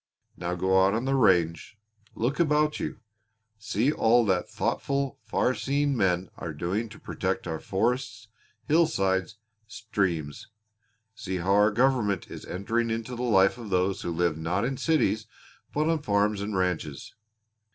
Now go out on the range. Look about you. See all that thoughtful, far seeing men are doing to protect our forests, hillsides, streams; see how our government is entering into the life of those who live not in cities but on farms and ranches.